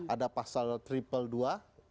ada pasal triple dua